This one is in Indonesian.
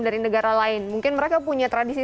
dari negara lain mungkin mereka punya tradisi